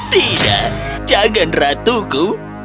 tidak jangan ratuku